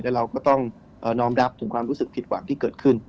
แล้วเราก็ต้องน้อมรับถึงความรู้สึกผิดหวังที่เกิดขึ้น